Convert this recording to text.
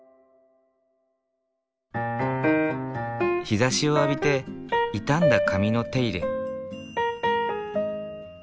日ざしを浴びて痛んだ髪の手入れ。